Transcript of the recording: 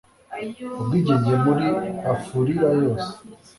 ubwigenge muri afurila yose